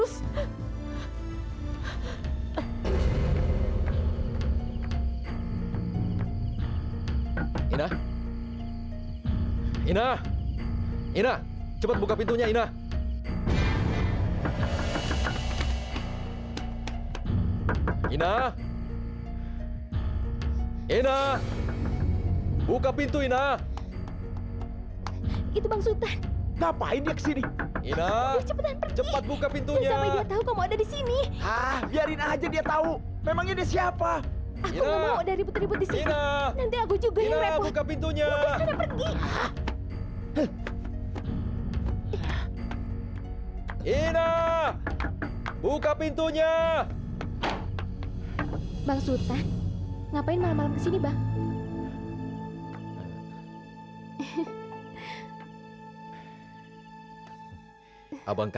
sampai jumpa di video selanjutnya